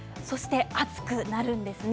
暑くなるんですね。